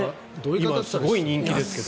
今、すごい人気ですけど。